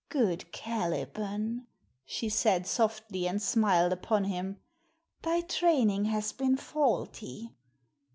Good Caliban" she said softly, and smiled upon him "thy training has been faulty.